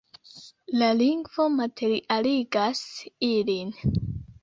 La lingvo materialigas ilin.